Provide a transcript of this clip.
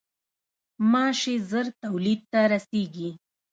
غوماشې ژر تولید ته رسېږي.